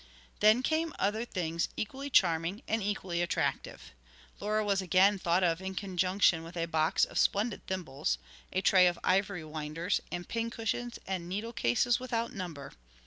Then came other things equally charming and equally attractive. Laura was again thought of in conjunction with a box of splendid thimbles, a tray of ivory winders, and pincushions, and needle cases without number.